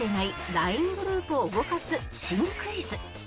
ＬＩＮＥ グループを動かす新クイズ